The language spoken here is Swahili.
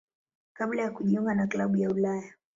kabla ya kujiunga na klabu ya Ulaya.